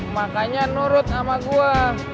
makanya nurut sama gue